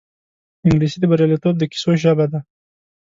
انګلیسي د بریالیتوب د کیسو ژبه ده